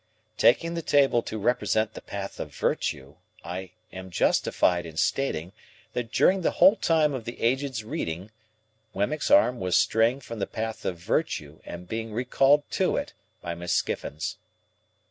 Taking the table to represent the path of virtue, I am justified in stating that during the whole time of the Aged's reading, Wemmick's arm was straying from the path of virtue and being recalled to it by Miss Skiffins.